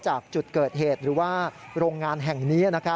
จากจุดเกิดเหตุหรือว่าโรงงานแห่งนี้